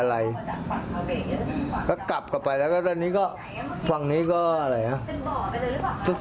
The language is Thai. อะไรก็กลับกลับไปแล้วก็ตอนนี้ก็ฝั่งนี้ก็อะไรน่ะ